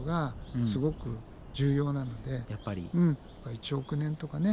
１億年とかね